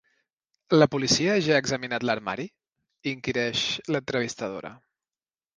La policia ja ha examinat l'armari? —inquireix l'entrevistadora.